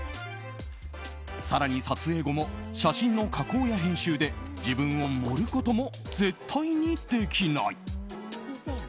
更に、撮影後も写真の加工や編集で自分を盛ることも絶対にできない。